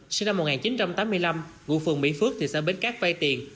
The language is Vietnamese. sinh năm một nghìn chín trăm tám mươi năm vụ phường mỹ phước thị xã biến cát vai tiền